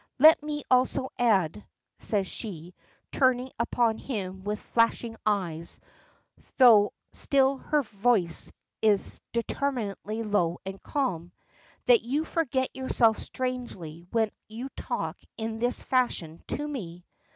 Let me also add," says she, turning upon him with flashing eyes, though still her voice is determinately low and calm, "that you forget yourself strangely when you talk in this fashion to me."